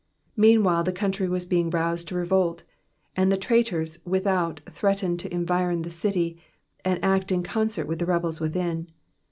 Meanwhile the country was being roused to revolt, and the traitors without threatened to environ the city, and act in concert with the rebels within.